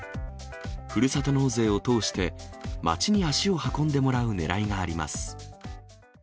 ふるさと納税を通して、町に足を運んでもらうねらいがあります。